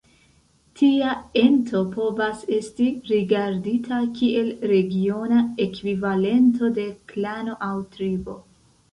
Tia ento povas estis rigardita kiel regiona ekvivalento de klano aŭ tribo.